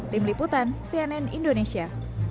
tim liputan cnn indonesia